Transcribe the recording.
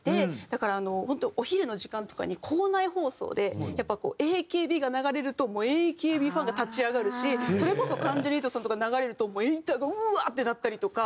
だから本当にお昼の時間とかに校内放送でやっぱこうＡＫＢが流れるともうＡＫＢファンが立ち上がるしそれこそ関ジャニ∞さんとか流れるともうエイターがうわー！ってなったりとか。